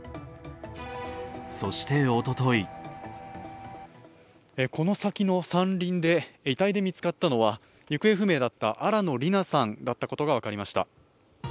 そしておとといこの先の山林で遺体で見つかったのは行方不明だった新野りなさんだったことが分かりました。